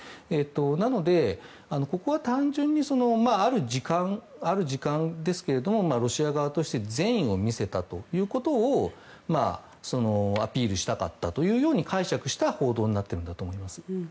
なので、ここは単純にある時間ですけれどもロシア側として善意を見せたということをアピールしたかったというように解釈した報道になっているんだと思います。